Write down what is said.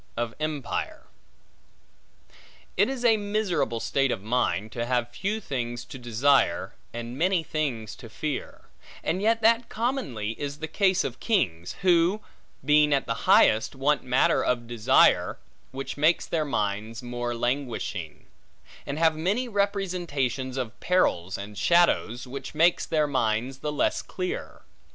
Of Empire IT IS a miserable state of mind, to have few things to desire, and many things to fear; and yet that commonly is the case of kings; who, being at the highest, want matter of desire, which makes their minds more languishing; and have many representations of perils and shadows, which makes their minds the less clear.